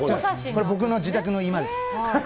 僕の自宅の居間です。